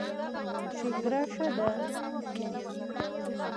ښېګړه ښه ده.